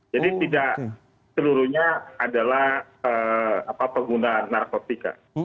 jadi tidak seluruhnya adalah pengguna narkotika